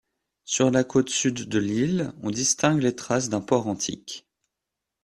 Sur la côte sud de l'île, on distingue les traces d'un port antique.